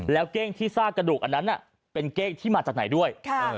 แล้วเก้งที่ซากกระดูกอันนั้นเป็นเก้งที่มาจากไหนด้วย